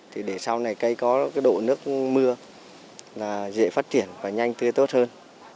thì để sau này cây có cái độ nước mưa là dễ phát triển và nhanh tươi tốt hơn